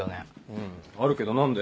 うんあるけど何で？